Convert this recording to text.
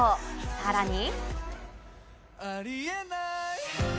さらに。